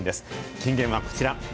金言はこちら。